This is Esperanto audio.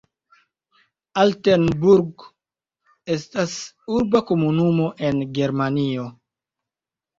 Altenburg estas urba komunumo en Germanio.